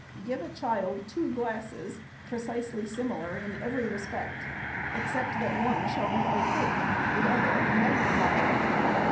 Give a child two glasses, precisely similar in every respect, except that one shall be opaque, the other a magnifier.